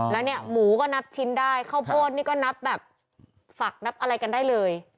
แล้วเนี่ยหมูก็นับชิ้นได้ข้าวโพดนี่ก็นับแบบฝักนับอะไรกันได้เลย